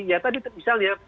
ya tadi misalnya